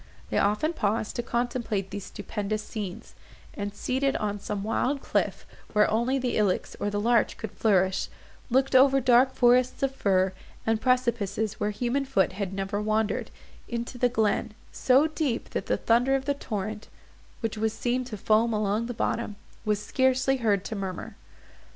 They often paused to contemplate these stupendous scenes, and, seated on some wild cliff, where only the ilex or the larch could flourish, looked over dark forests of fir, and precipices where human foot had never wandered, into the glen—so deep, that the thunder of the torrent, which was seen to foam along the bottom, was scarcely heard to murmur.